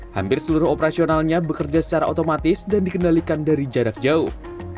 hampir seluruh operasionalnya bekerja secara otomatis dan dikendalikan dari jarak jauh